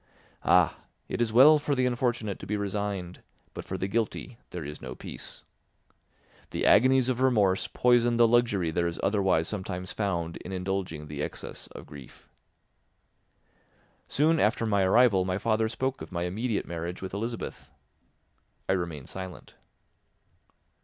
Ah! It is well for the unfortunate to be resigned, but for the guilty there is no peace. The agonies of remorse poison the luxury there is otherwise sometimes found in indulging the excess of grief. Soon after my arrival my father spoke of my immediate marriage with Elizabeth. I remained silent.